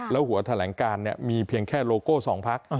แล้วหัวแถลงการมีเพียงแค่โลโก้๒พัก